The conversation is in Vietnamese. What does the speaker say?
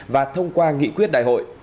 và thông qua nghị quyết đại hội